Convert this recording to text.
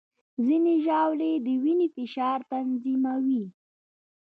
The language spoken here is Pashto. ځینې ژاولې د وینې فشار تنظیموي.